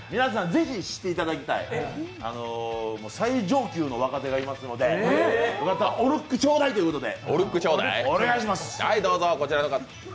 ぜひ知っていただきたい最上級の若手がいますのでおルックちょうだいということで。